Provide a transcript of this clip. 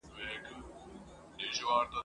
ته به کور سې د تورمخو ځالګیو !.